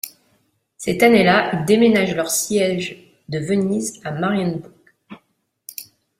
Cette année-là, ils déménagent leur siège de Venise à Marienbourg.